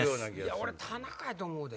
俺田中やと思うで。